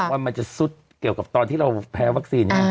ว่ามันจะซุดเกี่ยวกับตอนที่เราแพ้วัคซีน